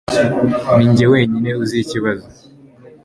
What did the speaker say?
Ninjye wenyine uzi ikibazo.